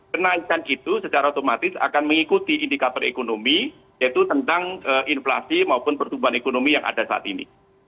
kenaikan itu secara otomatis akan mengikuti indikator ekonomi yaitu tentang inflasi maupun pertumbuhan ekonomi yang ada saat ini